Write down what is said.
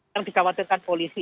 yang disawatkan polisi